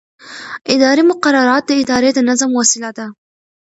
اداري مقررات د ادارې د نظم وسیله ده.